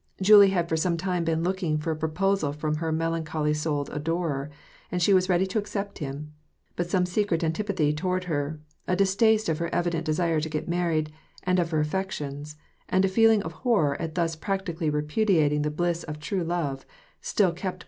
Julie had for some time^been looking for a proposal from her melancholy souled adorer, and she was ready to accept him. But some secret antipathy toward her ; a distaste of her evident desire to get married, and of her affectations ; and a feeling of horror at thus practically repudiating the bliss of true love, still kept Boris at a distance.